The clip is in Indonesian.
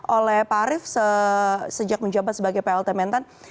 oleh pak arief sejak menjabat sebagai plt mentan